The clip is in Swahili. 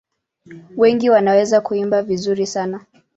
Wengi wanaweza kuimba vizuri sana.